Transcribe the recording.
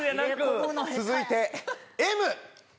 続いて「Ｍ」！